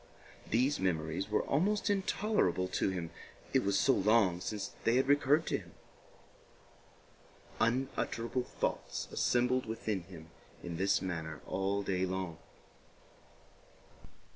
These memories were almost intolerable to him, it was so long since they had recurred to him. Unutterable thoughts assembled within him in this manner all day long.